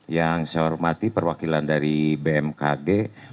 yang saya hormati perwakilan dari bmkg